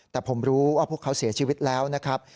แต่ผมรู้ว่าพวกเขาเสียชีวิตแล้วนะครับ